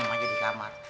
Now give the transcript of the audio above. mau aja di kamar